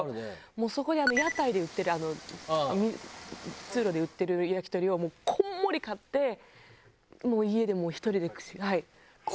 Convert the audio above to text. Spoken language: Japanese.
もうそこで屋台で売ってる通路で売ってる焼き鳥をもうこんもり買ってもう家で１人ではい。